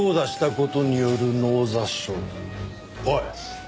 おい。